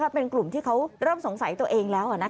เป็นกลุ่มที่เขาเริ่มสงสัยตัวเองแล้ว